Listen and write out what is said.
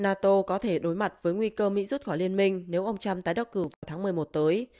nato có thể đối mặt với nguy cơ mỹ rút khỏi liên minh nếu ông trump tái đắc cử vào tháng một mươi một tới